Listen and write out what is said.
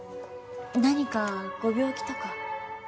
何かご病気とか？